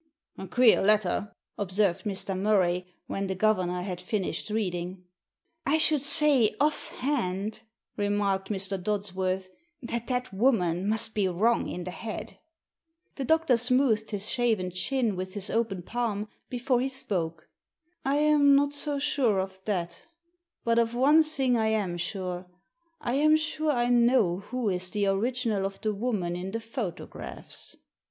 " "Queer letter!" observed Mr. Murray, when the governor had finished reading. Digitized by VjOOQIC 36 THE SEEN AND THE UNSEEN I should say, off hand," remarked Mr. Dodsworth, "that that woman must be wrong in the head." The doctor smoothed his shaven chin with his open palm before he spoke. "I am not so sure of that But of one thing I am sure. I am sure I know who is the original of the woman in the photographs."